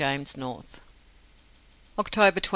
JAMES NORTH. October 21st.